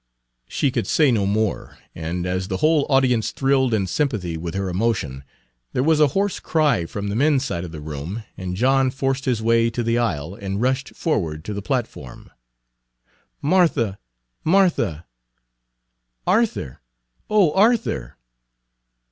She could say no more, and as the whole audience thrilled in sympathy with her emotion, there was a hoarse cry from the men's side of the room, and John forced his way to the aisle and rushed forward to the platform. "Martha! Martha!" "Arthur! O Arthur!"